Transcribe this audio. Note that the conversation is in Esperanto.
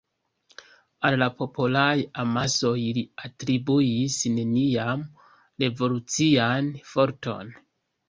Al la popolaj amasoj li atribuis nenian revolucian forton.